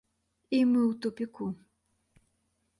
І мы ў тупіку.